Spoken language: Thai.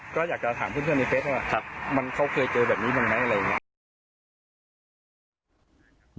ก็อยากจะถามเพื่อนนิเฟซว่าเขาเคยเจอแบบนี้บางไงอะไรอย่างนี้